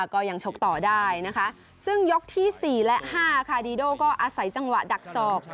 ก็ยังชกต่อได้นะคะซึ่งยกที่๔และ๕ค่ะดีโดก็อาศัยจังหวะดักศอก